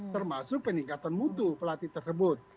termasuk peningkatan mutu pelatih tersebut